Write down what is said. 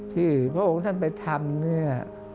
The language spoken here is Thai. พระองค์ท่านไปทำเนี่ย